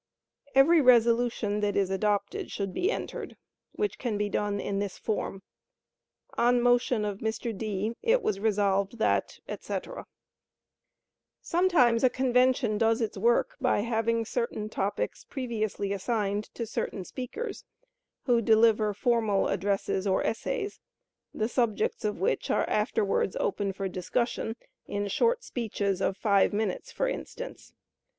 Every resolution that is adopted should be entered, which can be done in this form: "On motion of Mr. D. it was resolved that, &c." Sometimes a convention does its work by having certain topics previously assigned to certain speakers, who deliver formal addresses or essays, the subjects of which are afterwards open for discussion in short speeches, of five minutes, for instance.